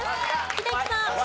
英樹さん。